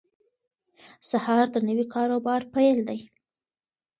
سهار د نوي کار او بار پیل دی.